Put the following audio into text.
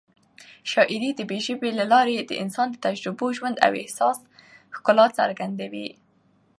شاعري د ژبې له لارې د انساني تجربو، ژوند او احساس ښکلا څرګندوي.